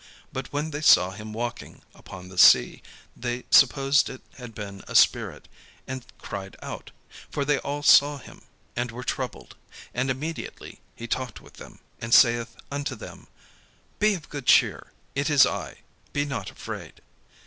But when they saw him walking upon the sea, they supposed it had been a spirit, and cried out: for they all saw him, and were troubled. And immediately he talked with them, and saith unto them: "Be of good cheer: it is I; be not afraid."